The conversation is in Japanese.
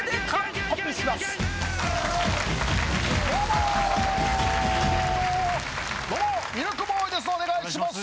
どうもミルクボーイですお願いします。